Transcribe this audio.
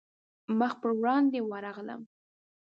مخ پر وړاندې ورغلم.